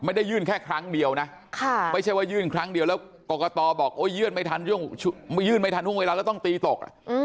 ไม่ได้ยื่นแค่ครั้งเดียวนะไม่ใช่ว่ายื่นครั้งเดียวแล้วกรกตบอกยื่นไม่ทันยื่นไม่ทันห่วงเวลาแล้วต้องตีตก